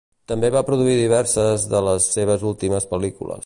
També va produir diverses de les seves últimes pel·lícules.